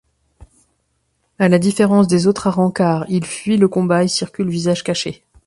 À la différence des autres Arrancars, ils fuient le combat et circulent visage caché.